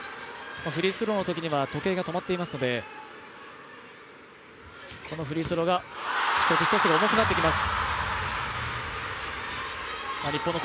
フリースローのときには時計が止まっていますのでこのフリースローが１つ１つ重くなってきます。